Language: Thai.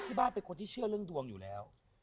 บ้านเป็นคนที่เชื่อเรื่องดวงอยู่แล้ว